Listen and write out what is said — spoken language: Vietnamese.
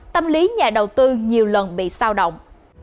tâm lý nhà đầu tư nhiều lần bị sao động